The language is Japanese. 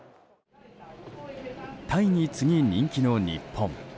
タイに次ぎ、人気の日本。